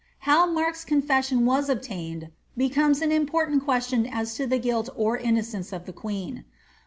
How Markka confession was obtained becomes an important question as to the guilt or innocence of the queen.